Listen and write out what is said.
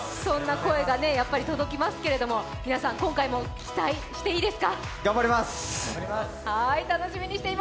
そんな声が届きますけれども、皆さん、今回も期待していいですか？